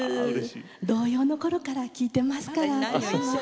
童謡のころから聴いていますから。